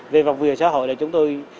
về vòng việc xã hội là chúng tôi